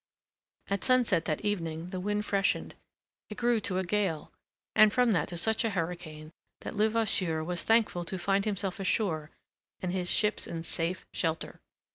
At sunset that evening the wind freshened; it grew to a gale, and from that to such a hurricane that Levasseur was thankful to find himself ashore and his ships in safe shelter.